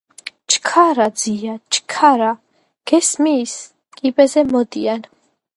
- ჩქარა, ძია, ჩქარა, გესმის, კიბეზე მოდიან!